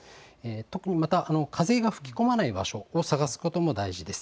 特にまた、風が吹き込まない場所を探すことも大事です。